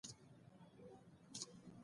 ته بلنه ور کوي چي د سروې او ډيزاين په برخه کي